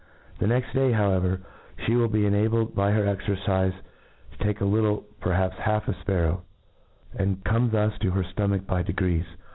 The next day, howeveiV ftie will be enabled by her exercife to take a little, perhaps half a Iparrow j and come thu$ to her ftomach by degrees.